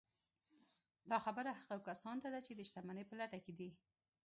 دا خبره هغو کسانو ته ده چې د شتمنۍ په لټه کې دي